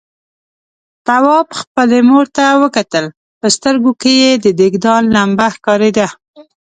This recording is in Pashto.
تواب خپلې مور ته وکتل، په سترګوکې يې د دېګدان لمبه ښکارېدله.